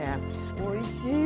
おいしい。